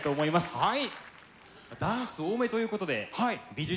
はい。